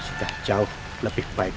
sudah jauh lebih baik